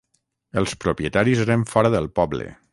Els propietaris eren fora del poble